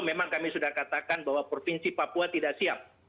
memang kami sudah katakan bahwa provinsi papua tidak siap